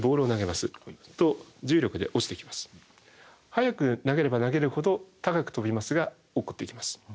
速く投げれば投げるほど高く飛びますが落っこっていきます。